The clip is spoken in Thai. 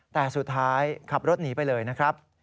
แต่สุดท้ายขับรถหนีไปเลยนะครับ